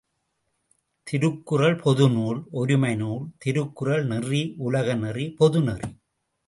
திருக்குறள் பொது நூல் ஒருமை நூல் திருக்குறள் நெறி, உலக நெறி பொது நெறி.